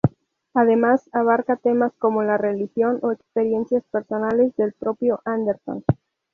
Además, abarca temas como la religión o experiencias personales del propio Anderson.